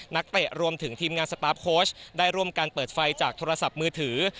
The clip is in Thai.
เตะรวมถึงทีมงานสตาร์ฟโค้ชได้ร่วมกันเปิดไฟจากโทรศัพท์มือถือ